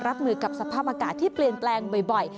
รับมือกับสภาพอากาศที่เปลี่ยนแปลงบ่อย